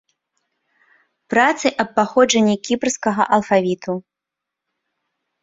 Працы аб паходжанні кіпрскага алфавіту.